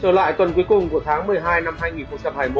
trở lại tuần cuối cùng của tháng một mươi hai năm hai nghìn hai mươi một